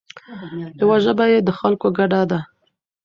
یوه ژبه یې د خلکو ګډه ده.